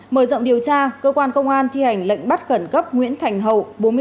mời rộng điều tra cơ quan công an thi hành lệnh bắt cẩn cấp nguyễn thành hậu